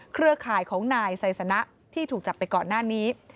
เครือข่ายของนายไซสนะที่ถูกจับไปก่อนหน้านี้